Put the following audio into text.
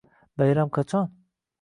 Bayram qachon?